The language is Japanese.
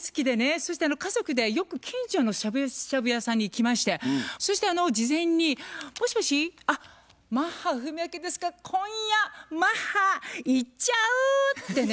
そして家族でよく近所のしゃぶしゃぶ屋さんに行きましてそして事前に「もしもし？あっマッハ文朱ですが今夜マッハ行っちゃう！」ってね